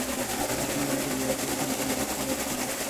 আপনি আমাকে জেরা করছেন কেন বুঝতে পারছি না।